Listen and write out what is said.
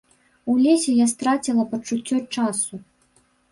У лесе я страціла пачуццё часу.